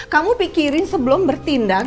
kamu pikirin sebelum bertindak